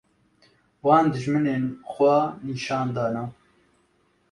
wan dijminên xwe nîşan dane